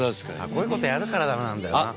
こういうことやるからダメなんだよな。